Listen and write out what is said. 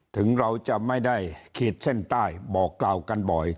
ถึงเราจะไม่ได้ขีดเส้นใต้บอกกล่าวกันบ่อย